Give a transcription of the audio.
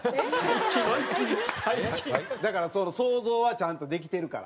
だから想像はちゃんとできてるから。